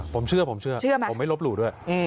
ผมเชื่อผมเชื่อผมไม่ลบหลู่ด้วย